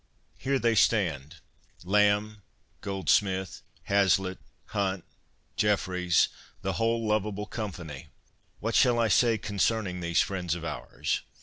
Here they stand — Lamb, Goldsmith, Hazlitt, Hunt, Jefferies — the whole lovable company. What shall I say concerning these friends of ours